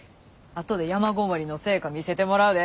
後で山籠もりの成果見せてもらうで。